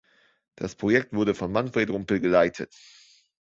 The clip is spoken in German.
Das Projekt wurde von Manfred Rumpel geleitet.